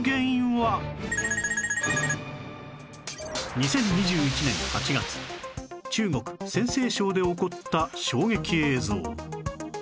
２０２１年８月中国陝西省で起こった衝撃映像